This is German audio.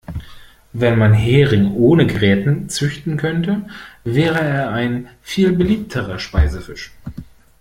Wenn man Hering ohne Gräten züchten könnte, wäre er ein viel beliebterer Speisefisch.